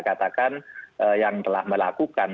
katakan yang telah melakukan